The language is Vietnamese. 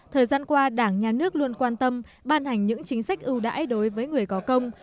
thời gian qua đảng nhà nước luôn quan tâm ban hành những chính sách ưu đãi đối với người có công